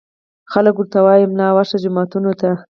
خلک ورته وايي ملا ورشه جوماتونو ته